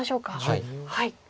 はい。